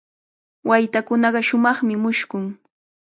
Waytakunaqa shumaqmi mushkun.